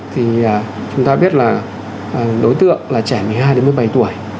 thì chúng ta biết là đối tượng là trẻ một mươi hai đến một mươi bảy tuổi